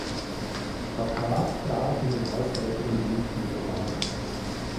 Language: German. Chattab trat in den auswärtigen Dienst ihres Landes.